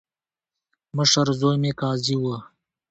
مشر زوی مې قاضي وو.